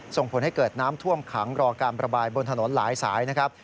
ส่งผลให้เกิดน้ำท่วมขังรอการประบายบนถนนหลายสายนะครับ